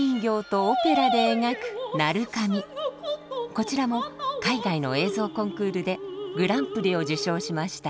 こちらも海外の映像コンクールでグランプリを受賞しました。